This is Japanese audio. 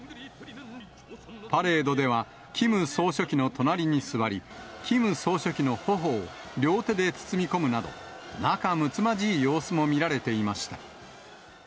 パレードではキム総書記の隣に座り、キム総書記のほほを両手で包み込むなど、仲むつまじい様子も見られていました。